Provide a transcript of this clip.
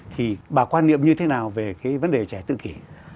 thì bà quan niệm như thế nào về cái vấn đề trẻ tự kỷ